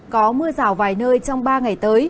có mưa rào vài nơi trong ba ngày tới